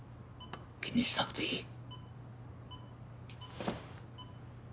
気にしなくていい。